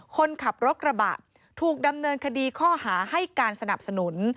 คนขับรถกระบะถูกดำเนินคดีข้อหาให้การสนับสนุน